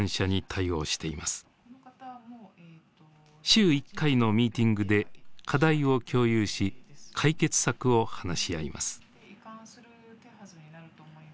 週１回のミーティングで課題を共有し解決策を話し合います。